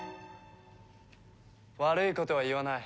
悪いことは言わない。